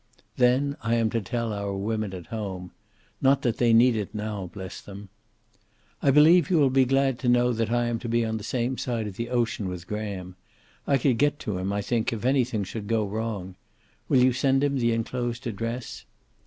Then I am to tell our women at home. Not that they need it now, bless them! "I believe you will be glad to know that I am to be on the same side of the ocean with Graham. I could get to him, I think, if anything should go wrong. Will you send him the enclosed address?